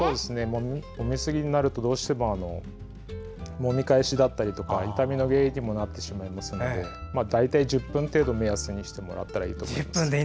もみすぎになるとどうしてももみ返しだったり、痛みの原因にもなってしまいますので大体１０分程度を目安にしてもらったらいいと思います。